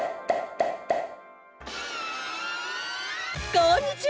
こんにちは！